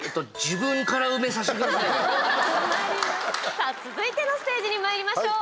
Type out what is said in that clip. さあ、続いてのステージにまいりましょう。